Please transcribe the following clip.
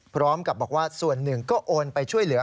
พร้อมกับบอกว่าส่วนหนึ่งก็โอนไปช่วยเหลือ